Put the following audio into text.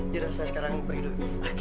yaudah saya sekarang pergi dulu